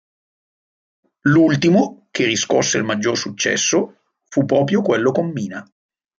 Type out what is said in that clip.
L'ultimo, che riscosse il maggior successo, fu proprio quello con Mina.